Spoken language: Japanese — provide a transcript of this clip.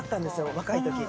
若いとき。